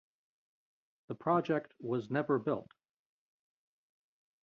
The project was never built.